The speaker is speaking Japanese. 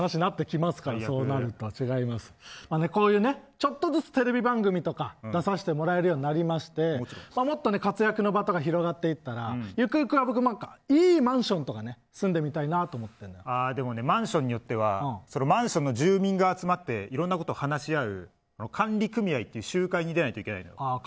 ちょっとずつテレビ番組とか出させてもらえるようになりましてもっと活躍の場とか広がっていったらゆくゆくは、いいマンションとかでもね、マンションによってはそのマンションの住民が集まっていろんなことを話し合う管理組合っていう集会に出ないといけない。